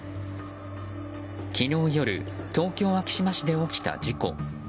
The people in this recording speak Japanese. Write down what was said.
昨日夜東京・昭島市で起きた事故。